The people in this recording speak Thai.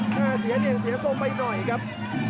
หน้าเสียเนียนเสียส้มไปหน่อยครับ